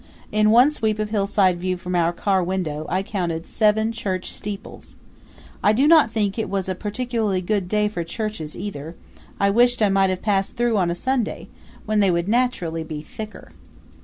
In one sweep of hillside view from our car window I counted seven church steeples. I do not think it was a particularly good day for churches either; I wished I might have passed through on a Sunday, when they would naturally be thicker.